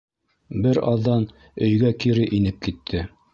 Бер аҙҙан өйгә кире инеп китте.